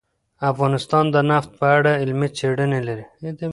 افغانستان د نفت په اړه علمي څېړنې لري.